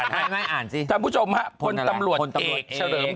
ท่านผู้ชมพลตำรวจเอก